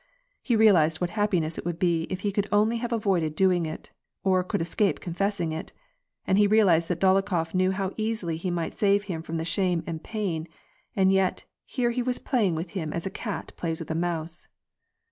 He realized what happiness it would be if he could only have avoided doing it, or could escape confessing it, and he realized that Dolokhof knew how easily he might save him from this shame and pain, and yet, here he was playing with him as a cat plays with a mouse.